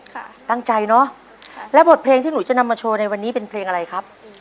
ค่ะตั้งใจเนอะแล้วบทเพลงที่หนูจะนำมาโชว์ในวันนี้เป็นเพลงอะไรครับ